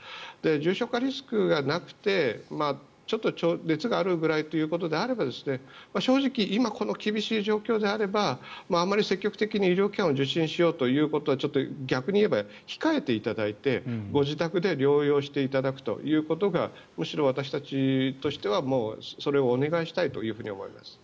重症化リスクがなくてちょっと熱があるくらいということであれば正直今、この厳しい状況であればあまり積極的に医療機関を受診しようということはちょっと、逆に言えば控えていただいてご自宅で療養していただくということがむしろ私たちとしてはそれをお願いしたいと思います。